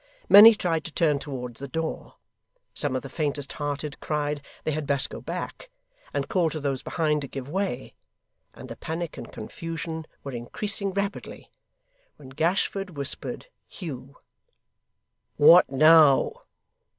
Many tried to turn towards the door; some of the faintest hearted cried they had best go back, and called to those behind to give way; and the panic and confusion were increasing rapidly, when Gashford whispered Hugh. 'What now!